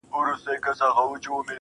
o گراني دا هيله كوم.